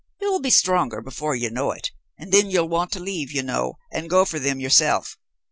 "You'll be stronger before you know it, and then you'll want to leave, you know, and go for them yourself.